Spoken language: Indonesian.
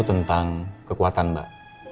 tentang kekuatan mbak